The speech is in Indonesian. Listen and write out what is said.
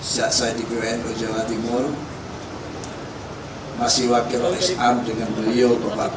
sejak saya di bum jawa timur masih wakil rsa dengan beliau bapak bapak allah